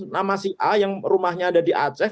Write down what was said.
nama si a yang rumahnya ada di aceh